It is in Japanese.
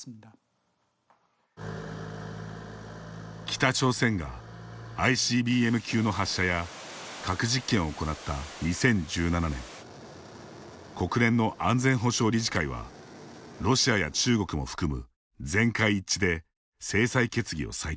北朝鮮がＩＣＢＭ級の発射や核実験を行った２０１７年国連の安全保障理事会はロシアや中国も含む全会一致で制裁決議を採択。